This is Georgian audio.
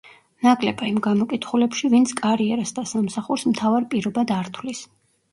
ნაკლება იმ გამოკითხულებში, ვინც კარიერას და სამსახურს მთავარ პირობად არ თვლის.